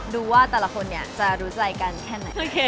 ดูว่าแต่ละคนเนี่ยจะรู้ใจกันแค่ไหน